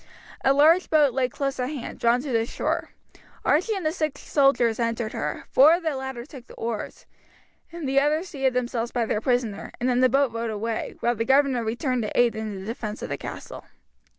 A large boat lay close at hand, drawn to the shore. Archie and the six soldiers entered her; four of the latter took the oars, and the others seated themselves by their prisoner, and then the boat rowed away, while the governor returned to aid in the defence of the castle.